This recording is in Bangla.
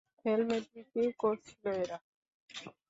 হেলমেট বিক্রি করছিল এরা!